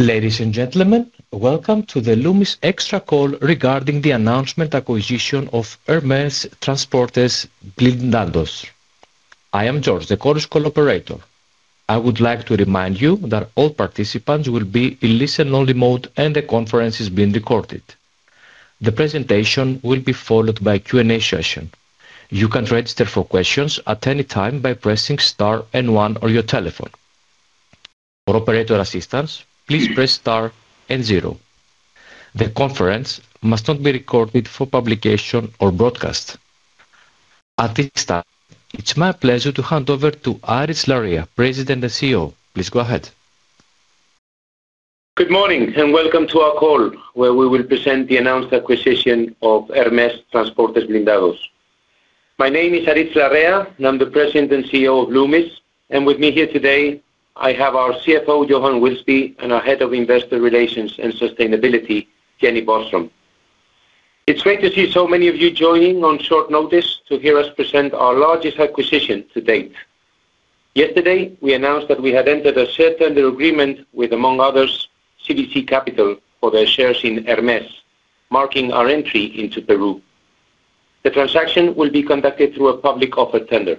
Ladies and gentlemen, welcome to the Loomis extra call regarding the announcement acquisition of Hermes Transportes Blindados. I am George, the Call Operator. I would like to remind you that all participants will be in listen-only mode, and the conference is being recorded. The presentation will be followed by Q&A session. You can register for questions at any time by pressing star 1 on your telephone. For operator assistance, please press star 0. The conference must not be recorded for publication or broadcast. At this time, it's my pleasure to hand over to Aritz Larrea, President and CEO. Please go ahead. Good morning, welcome to our call, where we will present the announced acquisition of Hermes Transportes Blindados. My name is Aritz Larrea, I am the President and CEO of Loomis. With me here today, I have our CFO, Johan Wilsby, and our Head of Investor Relations and Sustainability, Jenny Boström. It is great to see so many of you joining on short notice to hear us present our largest acquisition to date. Yesterday, we announced that we had entered a certain agreement with, among others, CVC Capital for their shares in Hermes, marking our entry into Peru. The transaction will be conducted through a public offer tender.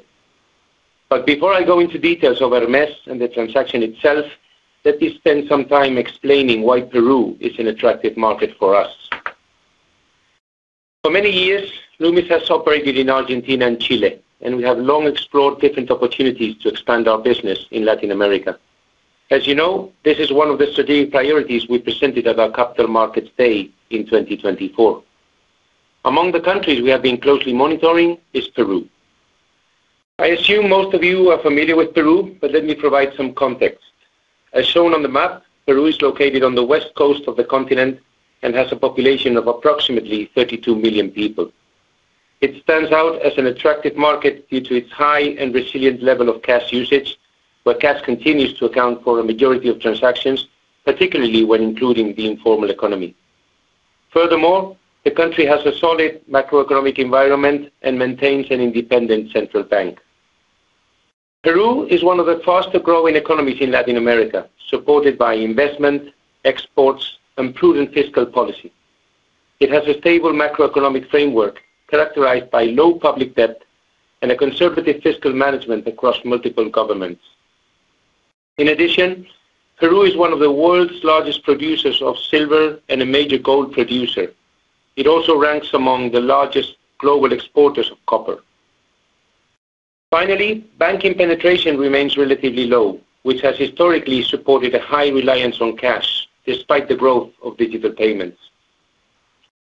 Before I go into details of Hermes and the transaction itself, let me spend some time explaining why Peru is an attractive market for us. For many years, Loomis has operated in Argentina and Chile, and we have long explored different opportunities to expand our business in Latin America. As you know, this is one of the strategic priorities we presented at our Capital Markets Day in 2024. Among the countries we have been closely monitoring is Peru. I assume most of you are familiar with Peru, but let me provide some context. As shown on the map, Peru is located on the west coast of the continent and has a population of approximately 32 million people. It stands out as an attractive market due to its high and resilient level of cash usage, where cash continues to account for a majority of transactions, particularly when including the informal economy. Furthermore, the country has a solid macroeconomic environment and maintains an independent central bank. Peru is one of the fastest-growing economies in Latin America, supported by investment, exports, and prudent fiscal policy. It has a stable macroeconomic framework characterized by low public debt and a conservative fiscal management across multiple governments. In addition, Peru is one of the world's largest producers of silver and a major gold producer. It also ranks among the largest global exporters of copper. Finally, banking penetration remains relatively low, which has historically supported a high reliance on cash despite the growth of digital payments.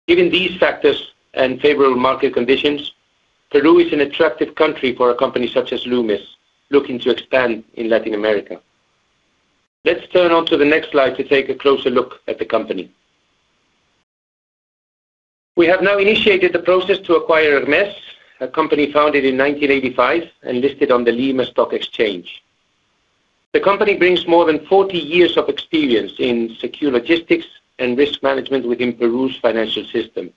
Given these factors and favorable market conditions, Peru is an attractive country for a company such as Loomis looking to expand in Latin America. Let's turn on to the next slide to take a closer look at the company. We have now initiated the process to acquire Hermes, a company founded in 1985 and listed on the Lima Stock Exchange. The company brings more than 40 years of experience in secure logistics and risk management within Peru's financial system.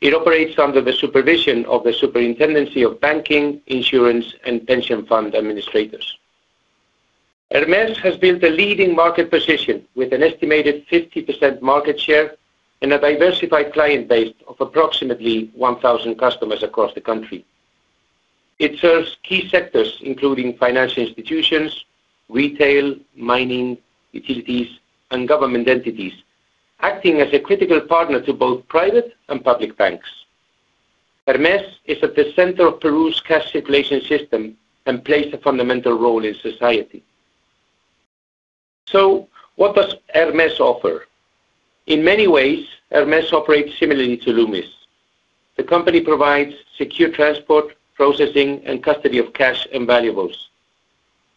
It operates under the supervision of the Superintendency of Banking, Insurance, and Private Pension Fund Administrators. Hermes has built a leading market position with an estimated 50% market share and a diversified client base of approximately 1,000 customers across the country. It serves key sectors, including financial institutions, retail, mining, utilities, and government entities, acting as a critical partner to both private and public banks. Hermes is at the center of Peru's cash circulation system and plays a fundamental role in society. What does Hermes offer? In many ways, Hermes operates similarly to Loomis. The company provides secure transport, processing, and custody of cash and valuables.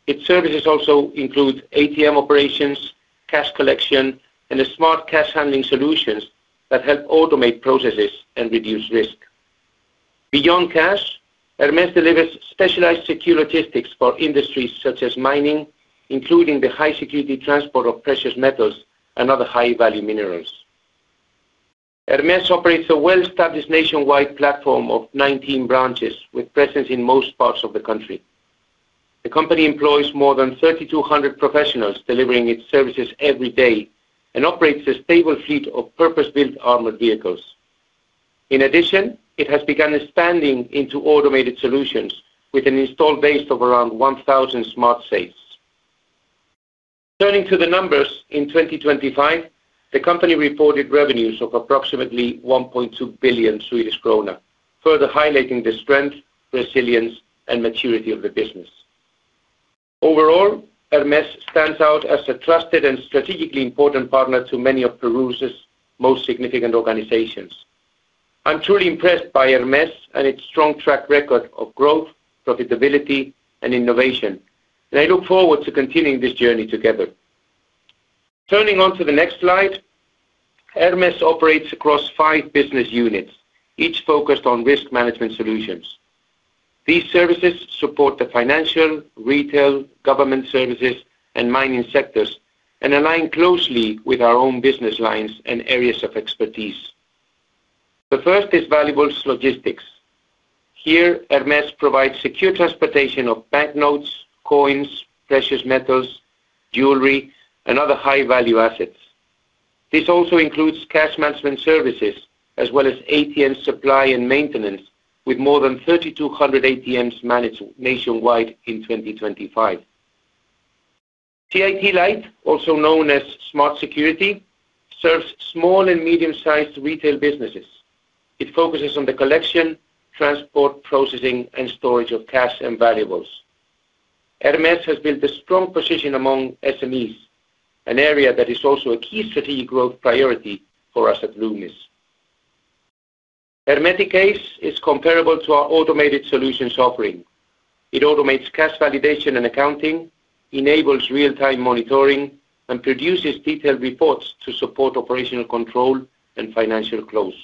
Its services also include ATM operations, cash collection, and the smart cash handling solutions that help automate processes and reduce risk. Beyond cash, Hermes delivers specialized secure logistics for industries such as mining, including the high-security transport of precious metals and other high-value minerals. Hermes operates a well-established nationwide platform of 19 branches with presence in most parts of the country. The company employs more than 3,200 professionals delivering its services every day and operates a stable fleet of purpose-built armored vehicles. In addition, it has begun expanding into Automated Solutions with an installed base of around 1,000 Smart Safes. Turning to the numbers, in 2025, the company reported revenues of approximately 1.2 billion Swedish krona, further highlighting the strength, resilience, and maturity of the business. Overall, Hermes stands out as a trusted and strategically important partner to many of Peru's most significant organizations. I'm truly impressed by Hermes and its strong track record of growth, profitability, and innovation, and I look forward to continuing this journey together. Turning on to the next slide, Hermes operates across five business units, each focused on risk management solutions. These services support the financial, retail, government services, and mining sectors, and align closely with our own business lines and areas of expertise. The first is valuables logistics. Here, Hermes provides secure transportation of banknotes, coins, precious metals, jewelry, and other high-value assets. This also includes cash management services as well as ATM supply and maintenance, with more than 3,200 ATMs managed nationwide in 2025. Titan Light, also known as smart security, serves small and medium-sized retail businesses. It focuses on the collection, transport, processing, and storage of cash and valuables. Hermes has built a strong position among SMEs, an area that is also a key strategic growth priority for us at Loomis. Hermetic Ace is comparable to our Automated Solutions offering. It automates cash validation and accounting, enables real-time monitoring, and produces detailed reports to support operational control and financial close.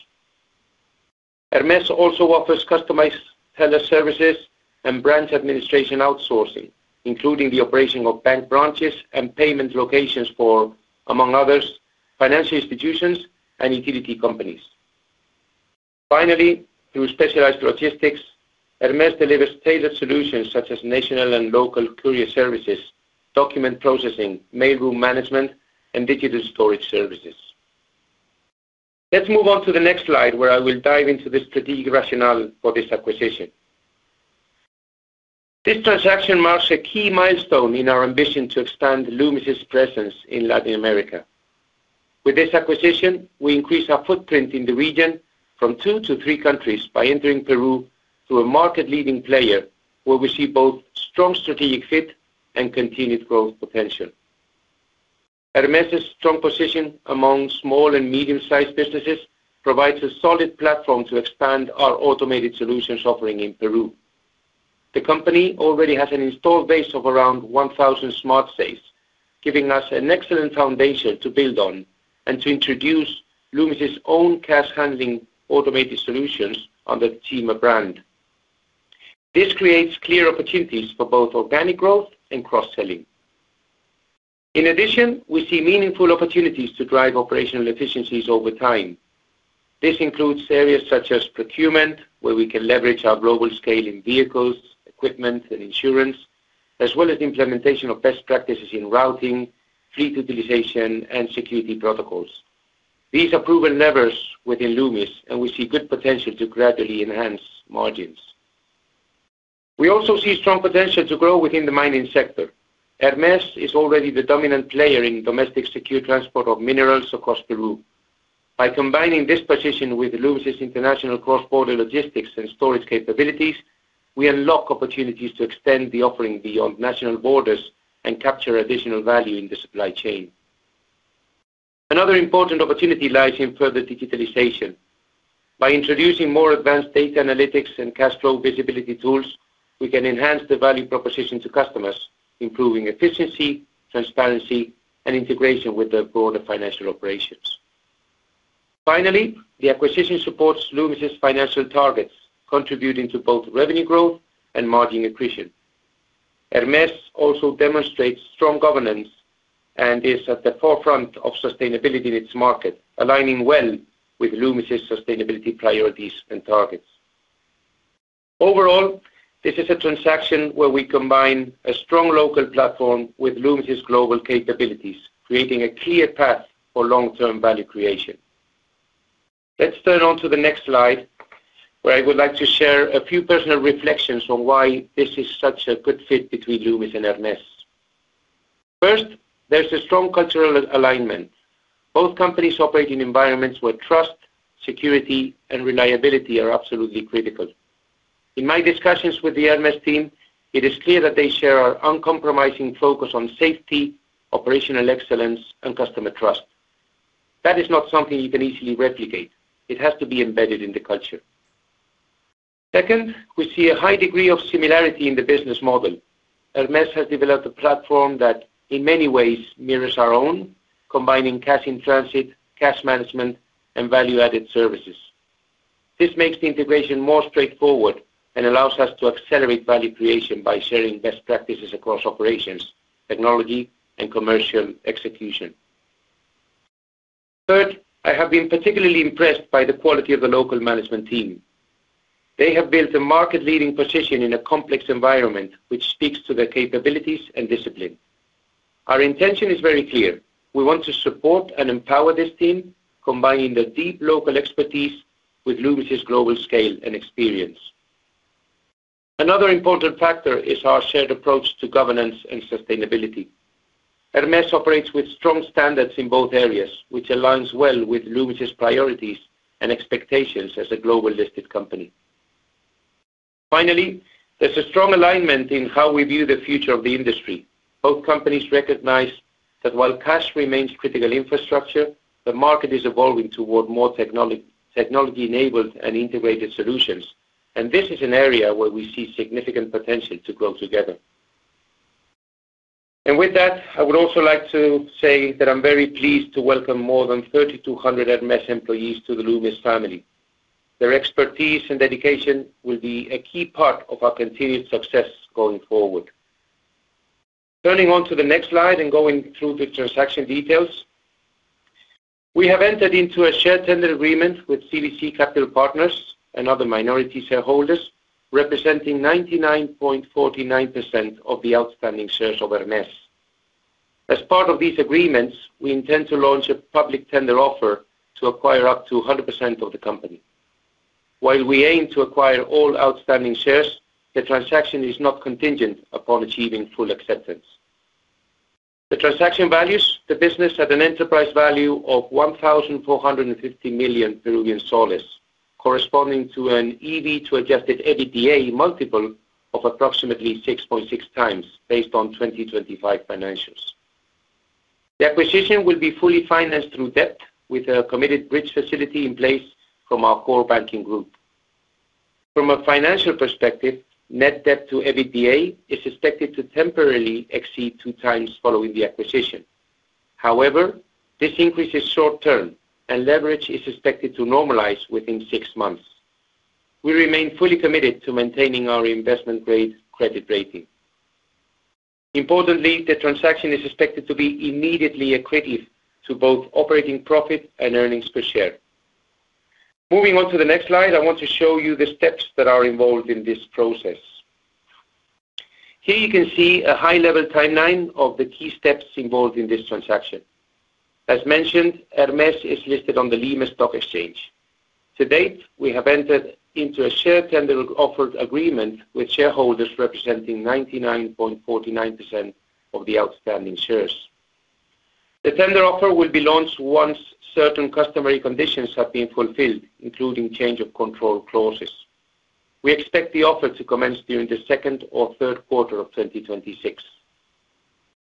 Hermes also offers customized teller services and branch administration outsourcing, including the operation of bank branches and payment locations for, among others, financial institutions and utility companies. Finally, through specialized logistics, Hermes delivers tailored solutions such as national and local courier services, document processing, mail room management, and digital storage services. Let's move on to the next slide, where I will dive into the strategic rationale for this acquisition. This transaction marks a key milestone in our ambition to expand Loomis's presence in Latin America. With this acquisition, we increase our footprint in the region from two to three countries by entering Peru through a market-leading player, where we see both strong strategic fit and continued growth potential. Hermes's strong position among small and medium-sized businesses provides a solid platform to expand our Automated Solutions offering in Peru. The company already has an installed base of around 1,000 smart safes, giving us an excellent foundation to build on and to introduce Loomis's own cash-handling Automated Solutions under the Cima brand. This creates clear opportunities for both organic growth and cross-selling. In addition, we see meaningful opportunities to drive operational efficiencies over time. This includes areas such as procurement, where we can leverage our global scale in vehicles, equipment, and insurance, as well as implementation of best practices in routing, fleet utilization, and security protocols. These are proven levers within Loomis, and we see good potential to gradually enhance margins. We also see strong potential to grow within the mining sector. Hermes is already the dominant player in domestic secure transport of minerals across Peru. By combining this position with Loomis's international cross-border logistics and storage capabilities, we unlock opportunities to extend the offering beyond national borders and capture additional value in the supply chain. Another important opportunity lies in further digitalization. By introducing more advanced data analytics and cash flow visibility tools, we can enhance the value proposition to customers, improving efficiency, transparency, and integration with their broader financial operations. Finally, the acquisition supports Loomis's financial targets, contributing to both revenue growth and margin accretion. Hermes also demonstrates strong governance and is at the forefront of sustainability in its market, aligning well with Loomis's sustainability priorities and targets. Overall, this is a transaction where we combine a strong local platform with Loomis's global capabilities, creating a clear path for long-term value creation. Let's turn on to the next slide, where I would like to share a few personal reflections on why this is such a good fit between Loomis and Hermes. First, there's a strong cultural alignment. Both companies operate in environments where trust, security, and reliability are absolutely critical. In my discussions with the Hermes team, it is clear that they share our uncompromising focus on safety, operational excellence, and customer trust. That is not something you can easily replicate. It has to be embedded in the culture. Second, we see a high degree of similarity in the business model. Hermes has developed a platform that, in many ways, mirrors our own, combining cash-in-transit, cash management, and value-added services. This makes the integration more straightforward and allows us to accelerate value creation by sharing best practices across operations, technology, and commercial execution. Third, I have been particularly impressed by the quality of the local management team. They have built a market-leading position in a complex environment, which speaks to their capabilities and discipline. Our intention is very clear. We want to support and empower this team, combining their deep local expertise with Loomis's global scale and experience. Another important factor is our shared approach to governance and sustainability. Hermes operates with strong standards in both areas, which aligns well with Loomis's priorities and expectations as a global listed company. There's a strong alignment in how we view the future of the industry. Both companies recognize that while cash remains critical infrastructure, the market is evolving toward more technology-enabled and integrated solutions. This is an area where we see significant potential to grow together. With that, I would also like to say that I'm very pleased to welcome more than 3,200 Hermes employees to the Loomis family. Their expertise and dedication will be a key part of our continued success going forward. Turning on to the next slide and going through the transaction details. We have entered into a share tender agreement with CVC Capital Partners and other minority shareholders, representing 99.49% of the outstanding shares of Hermes. As part of these agreements, we intend to launch a public tender offer to acquire up to 100% of the company. While we aim to acquire all outstanding shares, the transaction is not contingent upon achieving full acceptance. The transaction values the business at an enterprise value of PEN 1,450 million, corresponding to an EV to adjusted EBITDA multiple of approximately 6.6x based on 2025 financials. The acquisition will be fully financed through debt with a committed bridge facility in place from our core banking group. From a financial perspective, net debt to EBITDA is expected to temporarily exceed 2x following the acquisition. However, this increase is short-term and leverage is expected to normalize within six months. We remain fully committed to maintaining our investment grade credit rating. Importantly, the transaction is expected to be immediately accretive to both operating profit and earnings per share. Moving on to the next slide, I want to show you the steps that are involved in this process. Here you can see a high-level timeline of the key steps involved in this transaction. As mentioned, Hermes is listed on the Lima Stock Exchange. To date, we have entered into a share tender offered agreement with shareholders representing 99.49% of the outstanding shares. The tender offer will be launched once certain customary conditions have been fulfilled, including change of control clauses. We expect the offer to commence during the second or third quarter of 2026.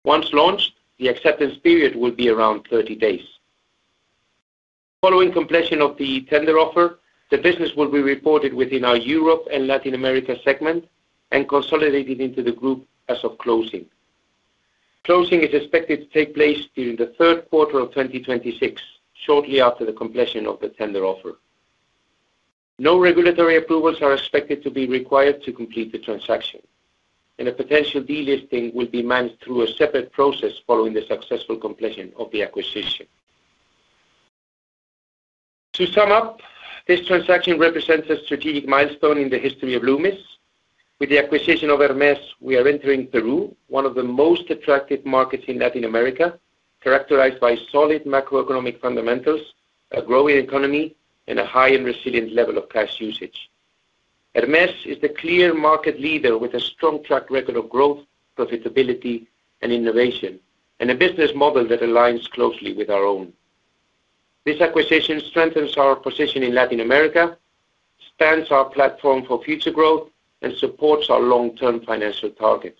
Once launched, the acceptance period will be around 30 days. Following completion of the tender offer, the business will be reported within our Europe and Latin America segment and consolidated into the group as of closing. Closing is expected to take place during the third quarter of 2026, shortly after the completion of the tender offer. No regulatory approvals are expected to be required to complete the transaction, and a potential delisting will be managed through a separate process following the successful completion of the acquisition. To sum up, this transaction represents a strategic milestone in the history of Loomis. With the acquisition of Hermes, we are entering Peru, one of the most attractive markets in Latin America, characterized by solid macroeconomic fundamentals, a growing economy, and a high and resilient level of cash usage. Hermes is the clear market leader with a strong track record of growth, profitability, and innovation, and a business model that aligns closely with our own. This acquisition strengthens our position in Latin America, expands our platform for future growth, and supports our long-term financial targets.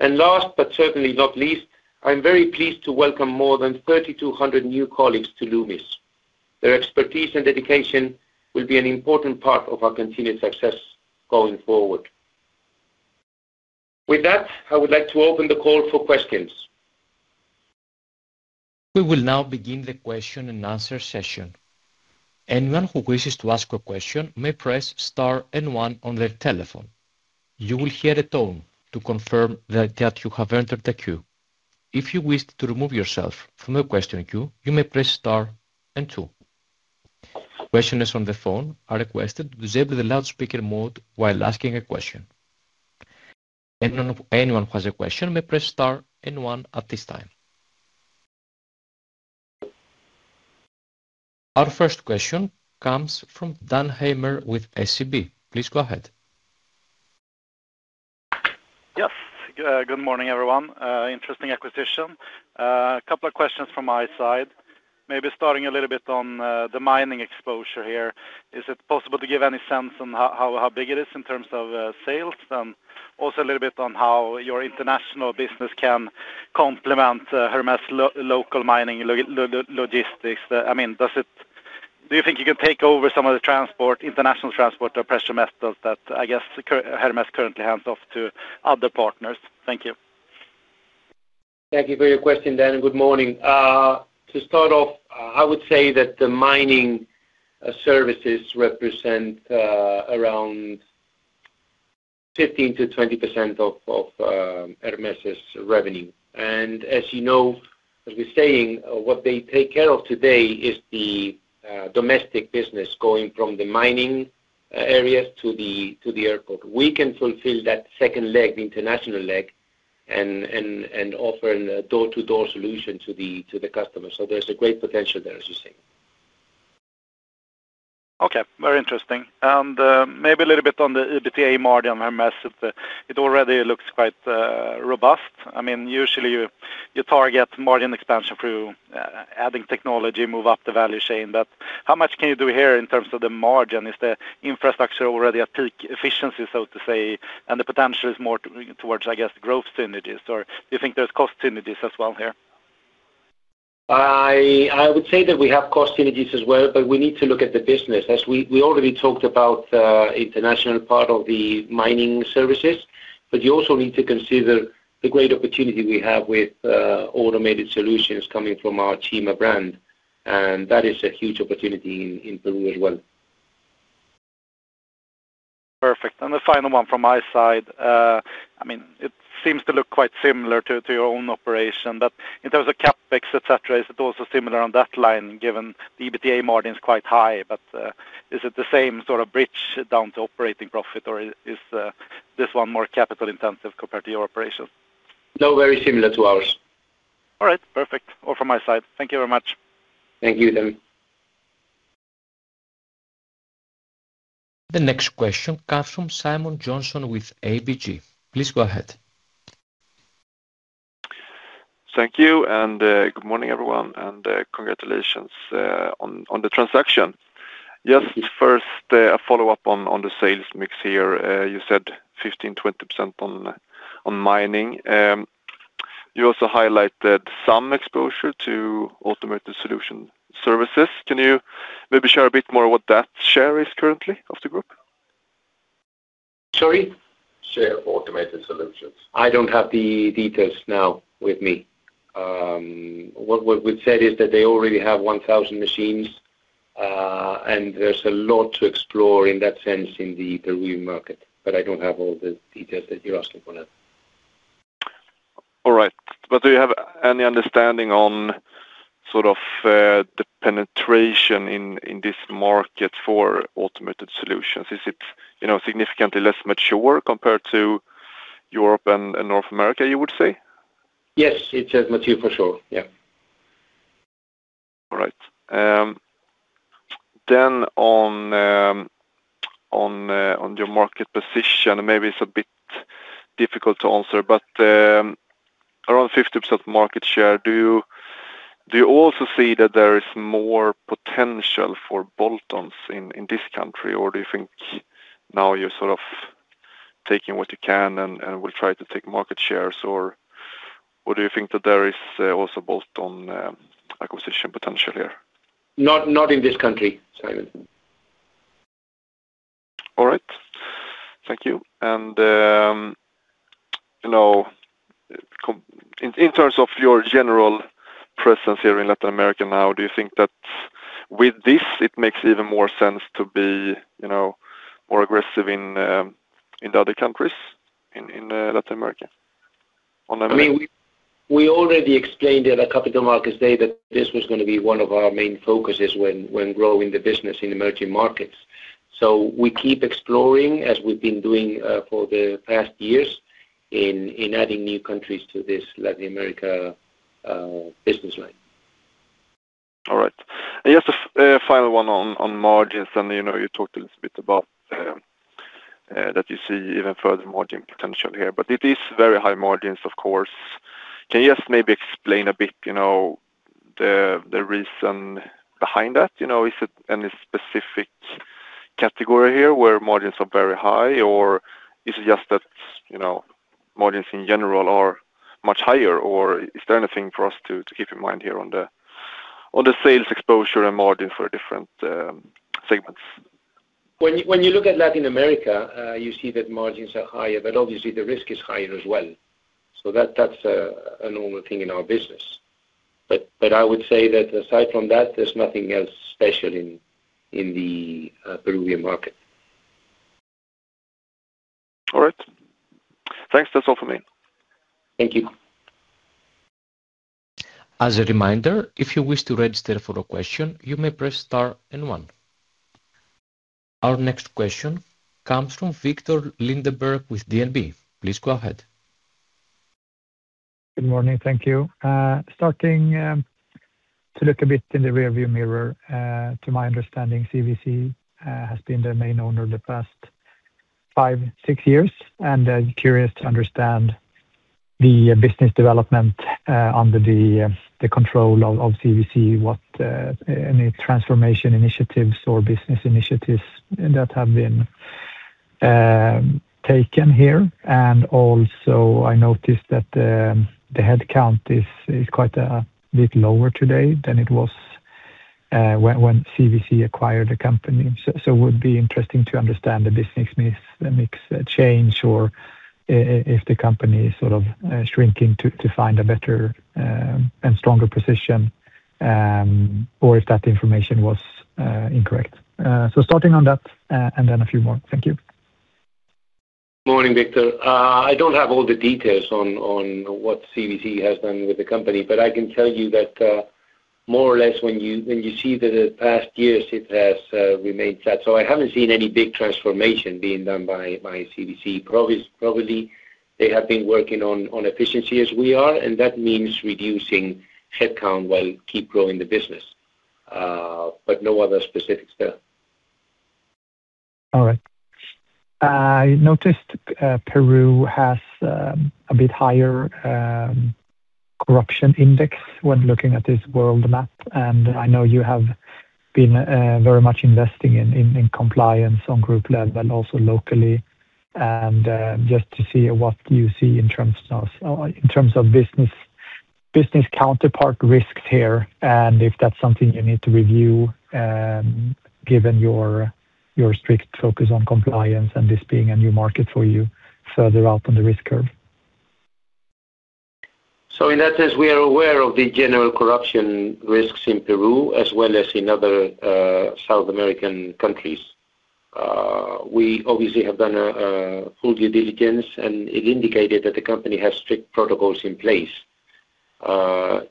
Last but certainly not least, I'm very pleased to welcome more than 3,200 new colleagues to Loomis. Their expertise and dedication will be an important part of our continued success going forward. With that, I would like to open the call for questions. We will now begin the question and answer session. Anyone who wishes to ask a question may press star one on their telephone. You will hear a tone to confirm that you have entered the queue. If you wish to remove yourself from the question queue, you may press star two. Questioners on the phone are requested to disable the loudspeaker mode while asking a question. Anyone who has a question may press star one at this time. Our first question comes from Dan Heimer with SEB. Please go ahead. Yes. Good morning, everyone. Interesting acquisition. A couple of questions from my side. Maybe starting a little bit on the mining exposure here. Is it possible to give any sense on how big it is in terms of sales? Also a little bit on how your international business can complement Hermes local mining logistics. I mean, do you think you can take over some of the transport, international transport or precious metals that, I guess, Hermes currently hands off to other partners? Thank you. Thank you for your question, Dan. Good morning. To start off, I would say that the mining services represent around 15%-20% of Hermes' revenue. As you know, as we're saying, what they take care of today is the domestic business going from the mining areas to the airport. We can fulfill that second leg, the international leg and offer a door-to-door solution to the customer. There's a great potential there, as you say. Okay, very interesting. Maybe a little bit on the EBITDA margin on Hermes. It already looks quite robust. I mean, usually you target margin expansion through adding technology, move up the value chain. How much can you do here in terms of the margin? Is the infrastructure already at peak efficiency, so to say, and the potential is more towards, I guess, growth synergies? Do you think there's cost synergies as well here? I would say that we have cost synergies as well. We need to look at the business. We already talked about international part of the mining services. You also need to consider the great opportunity we have with Automated Solutions coming from our Cima brand. That is a huge opportunity in Peru as well. Perfect. The final one from my side. I mean, it seems to look quite similar to your own operation, but in terms of CapEx, et cetera, is it also similar on that line given the EBITDA margin is quite high, but is it the same sort of bridge down to operating profit, or is this one more capital intensive compared to your operation? No, very similar to ours. All right. Perfect. All from my side. Thank you very much. Thank you, Dan. The next question comes from Simon Jönsson with ABG. Please go ahead. Thank you. Good morning, everyone, and congratulations on the transaction. Just first, a follow-up on the sales mix here. You said 15%-20% on mining. You also highlighted some exposure to Automated Solutions services. Can you maybe share a bit more what that share is currently of the group? Sorry? Share of Automated Solutions. I don't have the details now with me. What we've said is that they already have 1,000 machines, and there's a lot to explore in that sense in the Peru market, but I don't have all the details that you're asking for now. All right. Do you have any understanding on sort of the penetration in this market for automated solutions? Is it, you know, significantly less mature compared to Europe and North America, you would say? Yes. It's less mature for sure. Yeah. All right. On your market position, maybe it's a bit difficult to answer, but, around 50% market share, do you also see that there is more potential for bolt-ons in this country? Do you think now you're sort of taking what you can and will try to take market shares? Do you think that there is also bolt-on acquisition potential here? Not in this country, Simon. All right. Thank you. You know, In terms of your general presence here in Latin America now, do you think that with this it makes even more sense to be, you know, more aggressive in the other countries in Latin America on average? I mean, we already explained at our Capital Markets Day that this was gonna be one of our main focuses when growing the business in emerging markets. We keep exploring as we've been doing for the past years in adding new countries to this Latin America business line. All right. Just a final one on margins, and, you know, you talked a little bit about that you see even further margin potential here, but it is very high margins, of course. Can you just maybe explain a bit, you know, the reason behind that? You know, is it any specific category here where margins are very high, or is it just that, you know, margins in general are much higher, or is there anything for us to keep in mind here on the sales exposure and margin for different segments? When you look at Latin America, you see that margins are higher, but obviously the risk is higher as well. That's a normal thing in our business. I would say that aside from that, there's nothing else special in the Peruvian market. All right. Thanks. That's all for me. Thank you. As a reminder, if you wish to register for a question, you may press star and one. Our next question comes from Viktor Lindeberg with DNB. Please go ahead. Good morning. Thank you. Starting to look a bit in the rearview mirror, to my understanding, CVC has been the main owner the past five, six years, and curious to understand the business development under the control of CVC, what any transformation initiatives or business initiatives that have been taken here. Also I noticed that the head count is quite a bit lower today than it was when CVC acquired the company. It would be interesting to understand the business mix change or if the company is sort of shrinking to find a better and stronger position, or if that information was incorrect. Starting on that, and then a few more. Thank you. Morning, Viktor. I don't have all the details on what CVC has done with the company, but I can tell you that, more or less when you, when you see the past years, it has remained flat. I haven't seen any big transformation being done by CVC. Probably they have been working on efficiency as we are, and that means reducing headcount while keep growing the business. No other specifics there. All right. I noticed Peru has a bit higher corruption index when looking at this world map. I know you have been very much investing in compliance on group level, but also locally, and just to see what you see in terms of business counterpart risks here, and if that's something you need to review given your strict focus on compliance and this being a new market for you further out on the risk curve. In that sense, we are aware of the general corruption risks in Peru as well as in other South American countries. We obviously have done a full due diligence, and it indicated that the company has strict protocols in place.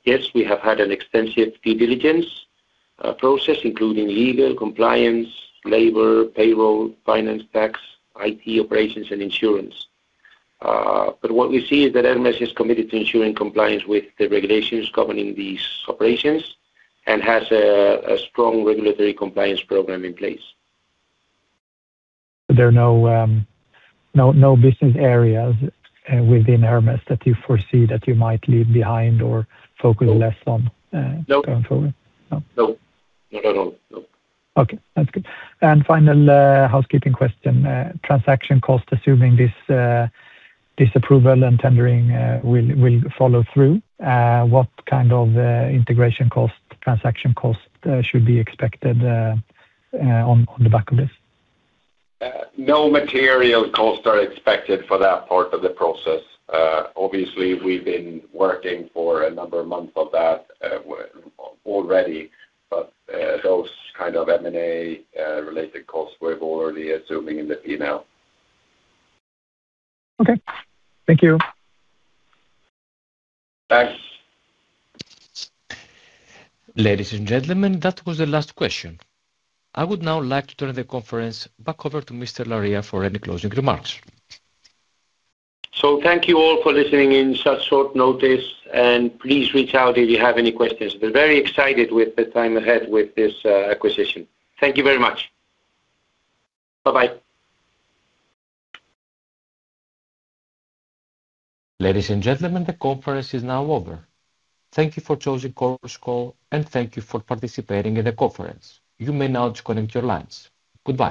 Yes, we have had an extensive due diligence process, including legal, compliance, labor, payroll, finance, tax, IT operations, and insurance. But what we see is that Hermes is committed to ensuring compliance with the regulations governing these operations and has a strong regulatory compliance program in place. There are no business areas within Hermes that you foresee that you might leave behind or focus less on. No. Going forward? No. No. Not at all. No. Okay, that's good. Final housekeeping question. Transaction cost, assuming this approval and tendering will follow through, what kind of integration cost, transaction cost should be expected on the back of this? No material costs are expected for that part of the process. Obviously we've been working for a number of months of that already, but those kind of M&A related costs we've already assuming in the P&L. Okay. Thank you. Thanks. Ladies and gentlemen, that was the last question. I would now like to turn the conference back over to Mr. Larrea for any closing remarks. Thank you all for listening in such short notice, and please reach out if you have any questions. We're very excited with the time ahead with this acquisition. Thank you very much. Bye-bye. Ladies and gentlemen, the conference is now over. Thank you for choosing Chorus Call, and thank you for participating in the conference. You may now disconnect your lines. Goodbye.